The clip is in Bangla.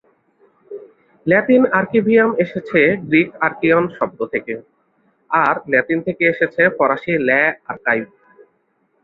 ল্যাতিন ‘আর্কিভিয়াম’ এসেছে গ্রিক আর্কিয়ন শব্দ থেকে, আর ল্যাতিন থেকে এসেছে ফরাসি ল্যা-আর্কাইভ।